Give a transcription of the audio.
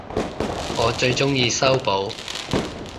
我最鍾意修補